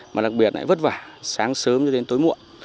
mà đặc biệt lại vất vả sáng sớm cho đến tối muộn